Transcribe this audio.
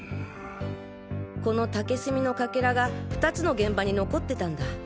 この竹炭のかけらが２つの現場に残ってたんだ。